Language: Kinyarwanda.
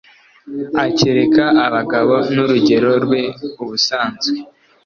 Akereka abagabo N'urugero rwe ubusanzwe,